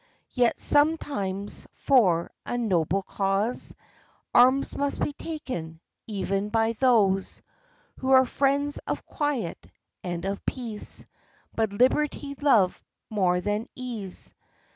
Yet sometimes, for a noble cause, Arms must be taken, even by those Who are friends of quiet and of peace, But liberty love more than ease.